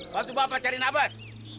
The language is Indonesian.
bantu bapak cari nabas